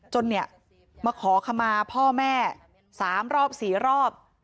จนมาขอคำมาพ่อแม่๓รอบ๔รอบ